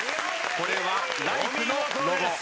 これはライフのロゴ。